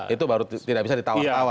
itu baru tidak bisa ditawar tawar